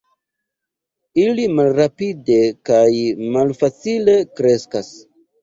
Ili malrapide kaj malfacile kreskas.